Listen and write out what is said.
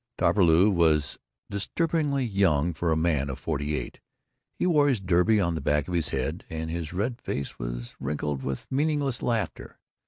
Doppelbrau was disturbingly young for a man of forty eight. He wore his derby on the back of his head, and his red face was wrinkled with meaningless laughter.